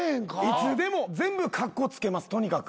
いつでも全部カッコつけますとにかく。